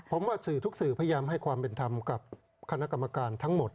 ผมว่าสื่อทุกสื่อพยายามให้ความเป็นธรรมกับคณะกรรมการทั้งหมด